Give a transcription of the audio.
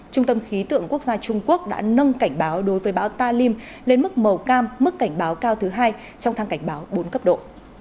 trung tâm khí tượng quốc gia trung quốc đã nâng cảnh báo đối với bão talim lên mức màu cam mức cảnh báo cao thứ hai trong thang cảnh báo bốn cấp độ